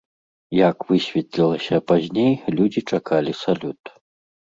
Як высветлілася пазней, людзі чакалі салют.